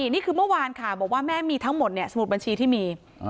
นี่คือเมื่อวานค่ะบอกว่าแม่มีทั้งหมดสมุดบัญชีที่มี